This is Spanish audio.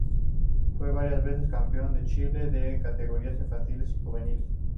Fue varias veces campeón de Chile de categorías infantiles y juveniles.